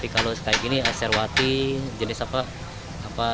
kalau seperti ini aserwati jenis apa